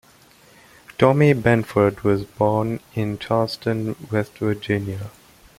Tommy Benford was born in Charleston, West Virginia.